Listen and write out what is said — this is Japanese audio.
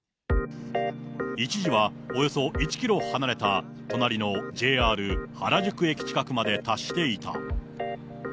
一時はおよそ１キロ離れた、隣のＪＲ原宿駅近くまで達していた。